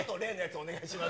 お願いします。